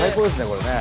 これね。